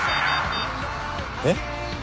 えっ？